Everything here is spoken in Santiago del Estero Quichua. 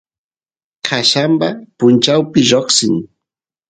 qallamba punchawpi lloqsin